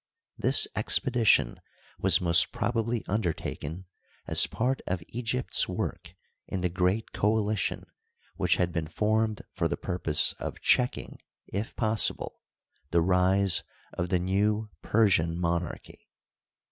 This expedition was most probably un dertaken as part of Egypt's work in the great coalition which had been formea for the purpose of checking, if possible, the rise of the new Persian monarchy.